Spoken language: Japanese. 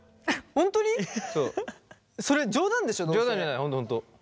本当本当。